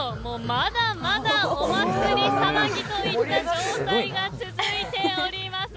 まだまだお祭り騒ぎといった状態が続いております。